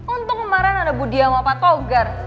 untung kemarin ada budi ama pak togar